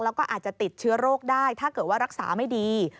แล้วก็อาจจะติดเชื้อโรคได้ถ้าเกิดว่ารักษาไม่ดี